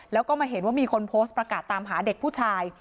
แล้วก็มาเห็นว่ามีคนโพสต์ประกาศตามหาเด็กผู้ชาย